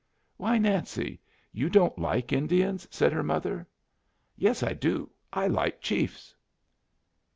"Why, Nancy, you don't like Indians?" said her mother. "Yes, I do. I like chiefs."